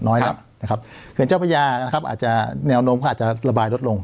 น้อยแล้วนะครับเขื่อนเจ้าพระยานะครับอาจจะแนวโน้มก็อาจจะระบายลดลง